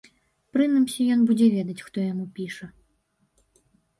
Прынамсі, ён будзе ведаць, хто яму піша.